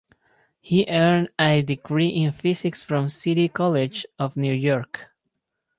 He earned a degree in physics from City College of New York.